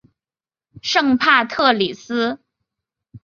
圣帕特里斯。